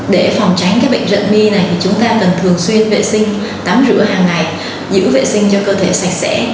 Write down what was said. để phòng tránh các bệnh rận mi chúng ta cần thường xuyên vệ sinh tắm rửa hàng ngày giữ vệ sinh cho cơ thể sạch sẽ